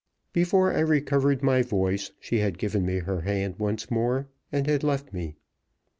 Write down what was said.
Before I recovered my voice she had given me her hand once more and had left me.